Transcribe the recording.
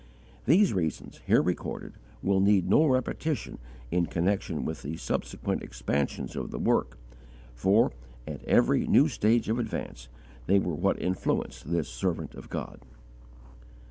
These reasons, here recorded, will need no repetition in connection with subsequent expansions of the work, for, at every new stage of advance, they were what influenced this servant of God.